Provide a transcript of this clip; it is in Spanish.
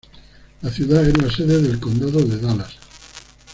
La ciudad es la sede del condado de Dallas.